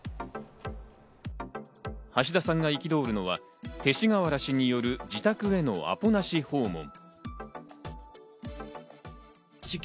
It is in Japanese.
橋田さんが憤るのは勅使河原氏による自宅へのアポなし訪問。